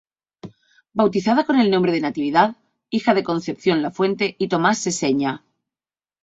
Bautizada con el nombre de Natividad, hija de Concepción Lafuente y Tomás Seseña.